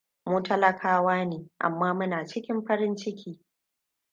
Mu talakawa ne, amma muna cikin farin ciki.